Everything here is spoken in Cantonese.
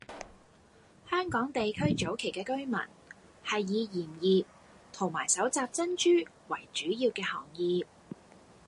香港地區早期嘅居民係以鹽業同埋搜集珍珠為主要嘅行業。